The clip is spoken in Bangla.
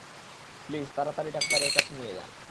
প্লিজ, তাড়াতাড়ি ডাক্তারে কাছে নিয়ে যান।